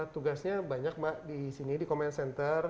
tugasnya banyak mbak di sini di command center